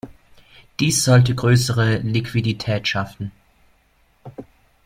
Dies sollte größere Liquidität schaffen.